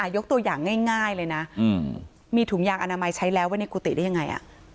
ยกตัวอย่างง่ายเลยนะมีถุงยางอนามัยใช้แล้วไว้ในกุฏิได้ยังไง